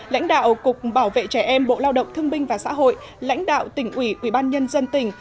lãnh đạo cục bảo vệ trẻ em bộ lao động thương binh và xã hội lãnh đạo tỉnh ủy ủy ban nhân dân tỉnh